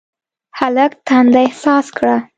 هلک تنده احساس کړه.